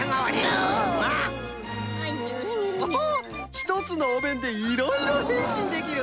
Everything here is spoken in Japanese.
１つのおめんでいろいろへんしんできる！